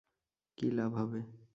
কী লাভ হবে?